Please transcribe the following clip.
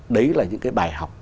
đấy là những cái bài học